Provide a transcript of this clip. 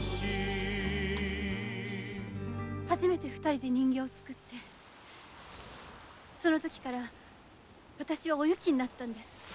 初めて二人で人形を作ってそのときから私は「おゆき」になったんです。